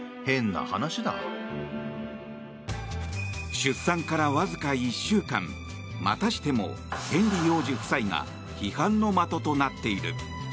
出産からわずか１週間またしてもヘンリー王子夫妻が批判の的となっている。